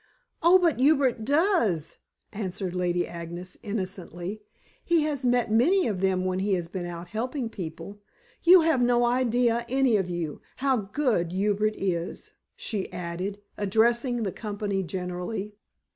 "Oh, but Hubert does," answered Lady Agnes innocently. "He has met many of them when he has been out helping people. You have no idea, any of you, how good Hubert is," she added, addressing the company generally.